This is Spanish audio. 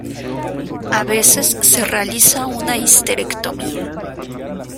A veces se realiza una histerectomía.